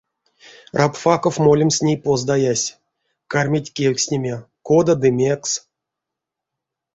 Рабфаков молемс ней поздаясь, кармить кевкстнеме, кода ды мекс.